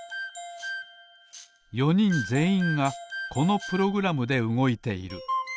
４にんぜんいんがこのプログラムでうごいている。